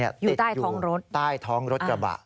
อยู่ใต้ท้องรถกระบะ